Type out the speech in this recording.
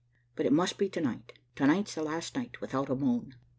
But it must be to night. To night's the last night without a moon."